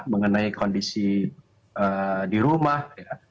mengenai kondisi di rumah ya